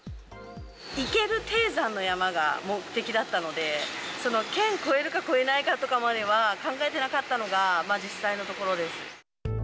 行ける低山の山が、目的だったので、その県を越えるか越えないかとかまでは考えてなかったのが、実際のところです。